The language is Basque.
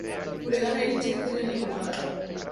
Guregana iritsi ez diren liburuak?